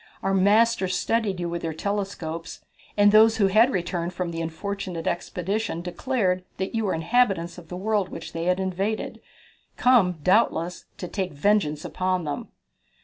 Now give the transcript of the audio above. Our masters studied you with their telescopes, and those who had returned from the unfortunate expedition declared that you were inhabitants of the world which they had invaded, come, doubtless, to take vengeance upon them."